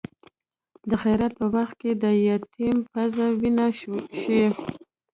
د خیرات په وخت کې د یتیم پزه وینې شي.